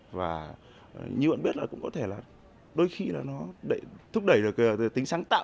và như bạn biết là cũng có thể là đôi khi là nó thúc đẩy được tính sáng tạo